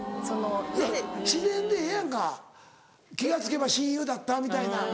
自然でええやんか気が付けば親友だったみたいな。